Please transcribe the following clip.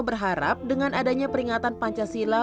berharap dengan adanya peringatan pancasila